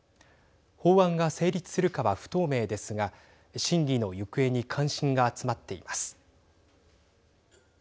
法案が成立するかは不透明ですが審議の行方に関心が集まっています。